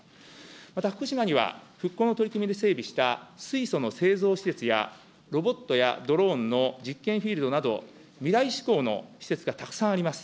また福島には、復興の取り組みで整備した水素の製造施設や、ロボットやドローンの実験フィールドなど、未来志向の施設がたくさんあります。